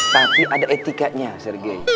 tapi ada etikanya sergei